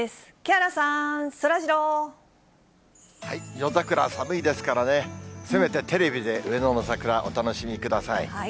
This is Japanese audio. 夜桜、寒いですからね、せめてテレビで上野の桜、お楽しみください。